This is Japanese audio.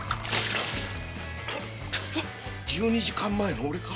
１２時間前のおれか？